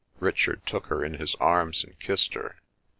Richard took her in his arms and kissed her.